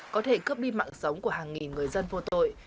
có thể cướp đi mạng sống của hàng nghìn người dân vô tội